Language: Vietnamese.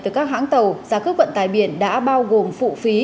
từ các hãng tàu giá cước vận tải biển đã bao gồm phụ phí